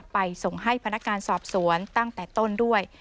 ไปส่งให้พนักงานสอบสวนตั้งแต่ต้นด้วย